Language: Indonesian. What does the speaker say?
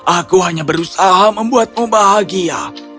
aku hanya berusaha membuatmu bahagia